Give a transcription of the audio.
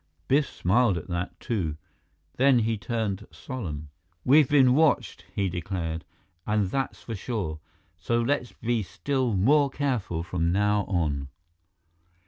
Biff smiled at that, too; then he turned solemn. "We've been watched," he declared, "and that's for sure. So let's be still more careful from now on."